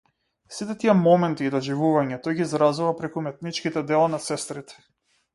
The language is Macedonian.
Сите тие моменти и доживувања тој ги изразува преку уметничките дела на сестрите.